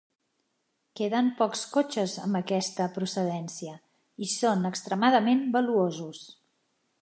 Queden pocs cotxes amb aquesta procedència i són extremadament valuosos.